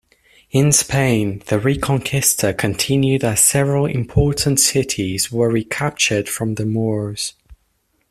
In Spain, the Reconquista continued as several important cities were recaptured from the Moors.